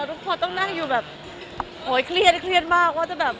ทุกคนต้องนั่งอยู่แบบเครียดมาก